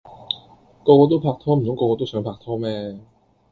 個個想拍拖，唔通個個都想拍拖咩